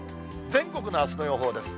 全国のあすの予報です。